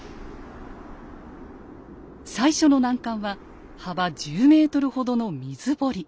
最初の難関は幅１０ｍほどの水堀。